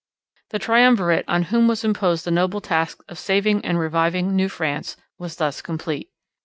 The triumvirate on whom was imposed the noble task of saving and reviving New France was thus complete.